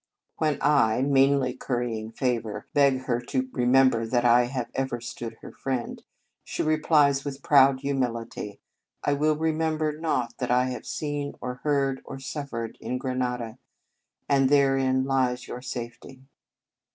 When I meanly currying favour beg her to remember that I have ever stood her friend, she replies with proud humility: "I will remember naught that I have seen, or heard, or suffered in Granada; and therein lies your safety."